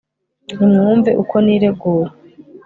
nimwumve uko niregura